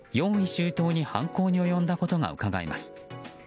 周到に犯行に及んだことがうかがえます。